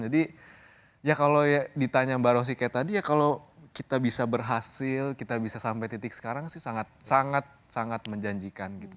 jadi ya kalau ya ditanya mbak rosy kayak tadi ya kalau kita bisa berhasil kita bisa sampai titik sekarang sih sangat sangat menjanjikan gitu